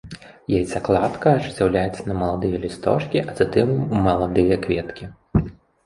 Яйцакладка ажыццяўляецца на маладыя лісточкі, а затым у маладыя кветкі.